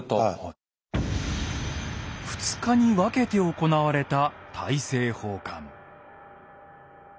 ２日に分けて行われた大政奉還。